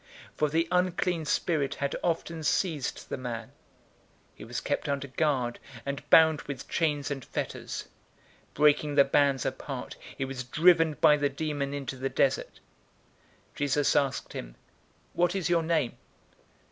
For the unclean spirit had often seized the man. He was kept under guard, and bound with chains and fetters. Breaking the bands apart, he was driven by the demon into the desert. 008:030 Jesus asked him, "What is your name?"